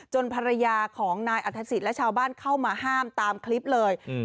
ภรรยาของนายอัฐศิษย์และชาวบ้านเข้ามาห้ามตามคลิปเลย